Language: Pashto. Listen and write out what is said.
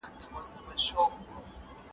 سياستپوهنه د سياسي قدرت پېژندل دي.